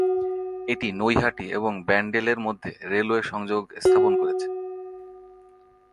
এটি নৈহাটি এবং ব্যান্ডেল এর মধ্যে রেলওয়ে সংযোগ স্থাপন করছে।